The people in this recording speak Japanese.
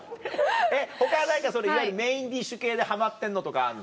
他は何かいわゆるメインディッシュ系でハマってんのとかあんの？